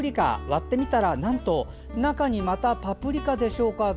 割ってみたらなんと中にまたパプリカでしょうか。